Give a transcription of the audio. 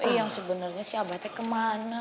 eh yang sebenarnya si abah teh kemana